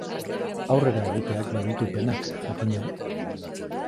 Aurrera egiteak baditu penak, jakina.